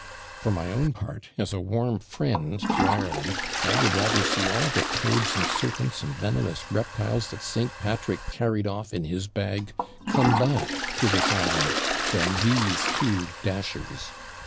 For my own part, as a warm friend to Ireland, I would rather see all the toads and serpents, and venomous reptiles, that St. Patrick carried off in his bag, come back to this island, than these two DASHERS.